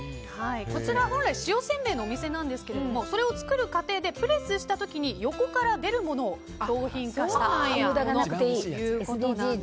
本来、塩せんべいのお店なんですけどそれを作る過程でプレスした時に横から出るものを商品化したということなんです。